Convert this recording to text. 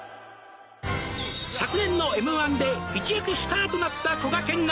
「昨年のＭ−１で一躍スターとなったこがけんが」